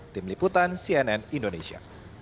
tim liputan cnn indonesia